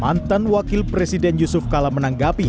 mantan wakil presiden yusuf kala menanggapi